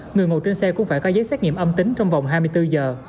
người ngồi trên xe cũng phải có giấy xét nghiệm âm tính trong vòng hai mươi bốn giờ